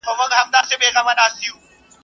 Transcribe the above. o هر څوک پر خپله ټيکۍ اور اړوي.